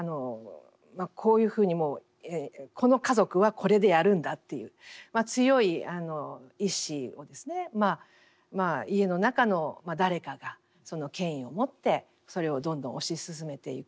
こういうふうにもうこの家族はこれでやるんだっていう強い意志を家の中の誰かがその権威をもってそれをどんどん推し進めていく。